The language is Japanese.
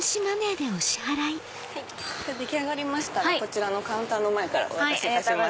出来上がりましたらこちらのカウンターからお渡しします。